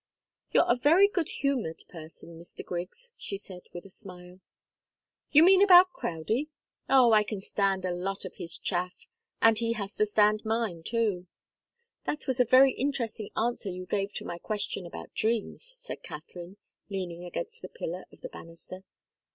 "You're a very good humoured person, Mr. Griggs," she said, with a smile. "You mean about Crowdie? Oh, I can stand a lot of his chaff and he has to stand mine, too." "That was a very interesting answer you gave to my question about dreams," said Katharine, leaning against the pillar of the banister.